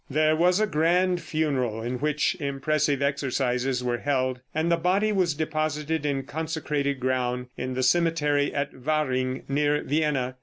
There was a grand funeral, in which impressive exercises were held, and the body was deposited in consecrated ground in the cemetery at Wahring, near Vienna.